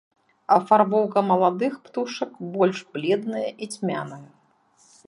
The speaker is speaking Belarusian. Афарбоўка маладых птушак больш бледная і цьмяная.